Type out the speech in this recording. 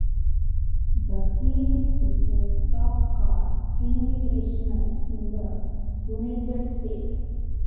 The series is a stock car invitational in the United States.